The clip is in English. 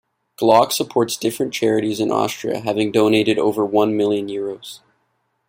Glock supports different charities in Austria, having donated over one million euros.